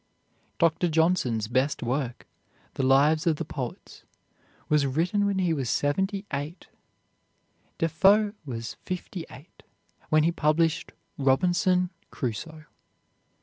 Dr. Johnson's best work, "The Lives of the Poets," was written when he was seventy eight. Defoe was fifty eight when he published "Robinson Crusoe."